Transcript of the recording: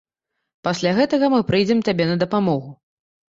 Пасля гэтага мы прыйдзем табе на дапамогу.